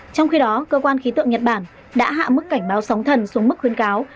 trong khi đó cơ quan khí tượng nhật bản đã hạ mức cảnh báo sóng thần xuống mức khuyến cáo